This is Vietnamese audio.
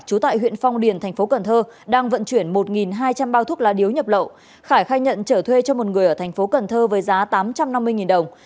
trú tại huyện phong điền thành phố cần thơ đang vận chuyển một hai trăm linh bao thuốc lá điếu nhập lậu khải khai nhận trở thuê cho một người ở thành phố cần thơ với giá tám trăm năm mươi đồng